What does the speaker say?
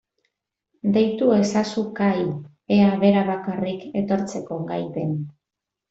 Deitu ezazu Kai ea bera bakarrik etortzeko gai den.